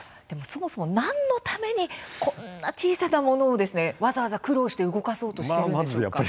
そもそも、なんのためにこんな小さなものをわざわざ苦労して動かそうとしているんですか？